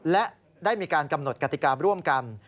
และได้มีการกำหนดกติการ่วมกัน